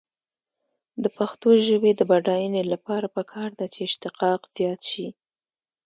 د پښتو ژبې د بډاینې لپاره پکار ده چې اشتقاق زیات شي.